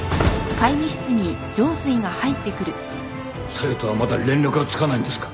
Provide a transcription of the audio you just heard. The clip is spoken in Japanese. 小夜とはまだ連絡はつかないんですか？